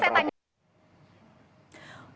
kalau gitu saya tanya